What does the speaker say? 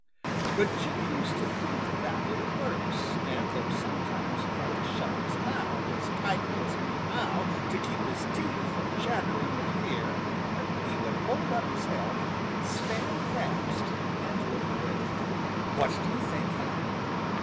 But Jimmy used to think of that little verse, and though sometimes he had to shut his mouth as tightly as he knew how to keep his teeth from chattering with fear, he would hold up his head, stand fast, and look brave. What do you think happened?